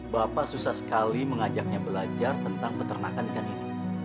bapak susah sekali mengajaknya belajar tentang peternakan ikan ini